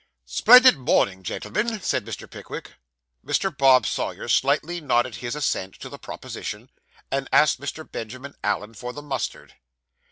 'Splendid morning, gentlemen,' said Mr. Pickwick. Mr. Bob Sawyer slightly nodded his assent to the proposition, and asked Mr. Benjamin Allen for the mustard.